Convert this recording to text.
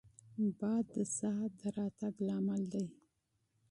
باد د سا د راتګ سبب دی